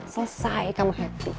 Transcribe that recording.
selesai kamu happy